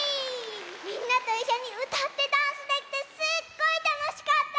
みんなといっしょにうたってダンスできてすっごいたのしかった！